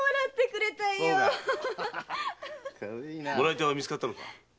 もらい手は見つかったのか？